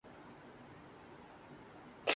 کے لئے ایک مسلمان گھرانے میں اِس بھروسے پر بھیج دی تھی